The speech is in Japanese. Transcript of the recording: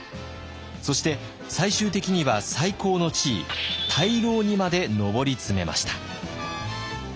そして最終的には最高の地位大老にまで上り詰めました。